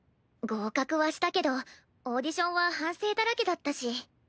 合格はしたけどオーディションは反省だらけだったし。